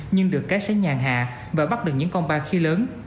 nhưng được cái xé nhàng hạ và bắt được những con ba khía lớn